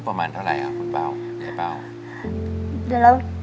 ประมาณเท่าไหร่ค่ะคุณเป๋าไดยปเป้า